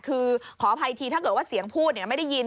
คือขออภัยทีถ้าเกิดว่าเสียงพูดไม่ได้ยิน